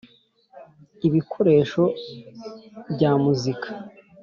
ibikoresho by amuzika